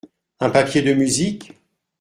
Un papier de musique ?